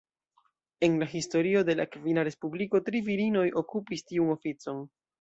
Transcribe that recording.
En la historio de la kvina Respubliko, tri virinoj okupis tiun oficon.